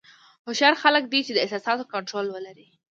هوښیار څوک دی چې د احساساتو کنټرول ولري.